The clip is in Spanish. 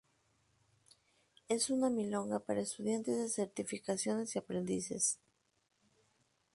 es una milonga para estudiantes de certificaciones y aprendices